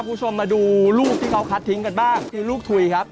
คุณผู้ชมมาดูลูกที่เขาคัดทิ้งกันบ้างคือลูกถุยครับ